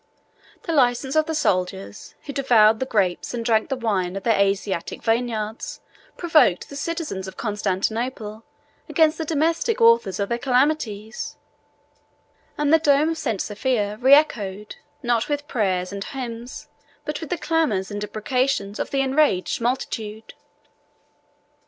The license of the soldiers, who devoured the grapes and drank the wine of their Asiatic vineyards, provoked the citizens of Constantinople against the domestic authors of their calamities, and the dome of St. Sophia reechoed, not with prayers and hymns, but with the clamors and imprecations of an enraged multitude.